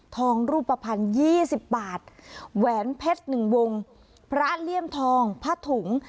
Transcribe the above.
ทองรูปภัณฑ์ยี่สิบบาทแหวนเพชรหนึ่งวงพระเลี่ยมทองผ้าถุง